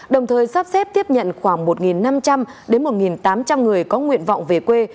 đồng thời sắp xếp tiếp nhận khoảng một năm trăm linh đến một tám trăm linh người có nguyện vọng về quê